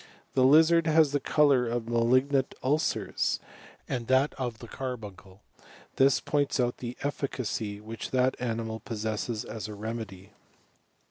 The lizard has the colour of malignant «lcei% and of the carbuncle; this points out the eflicacy which that animal possesses as a remedy.